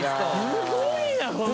すごいなこの人。